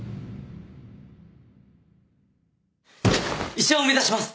医者を目指します！